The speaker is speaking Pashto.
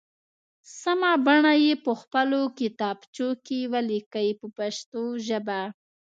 سمه بڼه یې په خپلو کتابچو کې ولیکئ په پښتو ژبه.